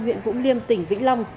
huyện vũng liêm tỉnh vĩnh long